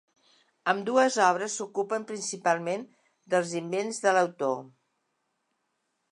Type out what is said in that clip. Ambdues obres s'ocupen, principalment, dels invents de l'autor.